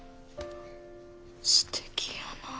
すてきやなあ。